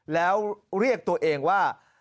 แล้วเรียกตัวเองว่า